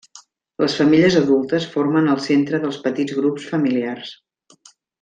Les femelles adultes formen el centre dels petits grups familiars.